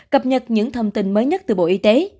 cập nhật những thông tin mới nhất từ bộ y tế